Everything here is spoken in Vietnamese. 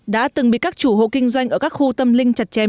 đã từng bị các chủ hộ kinh doanh ở các khu tâm linh chặt chém